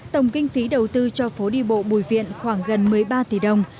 tổng kinh phí đầu tư cho phố đi bộ bùi viện khoảng gần một mươi ba tỷ đồng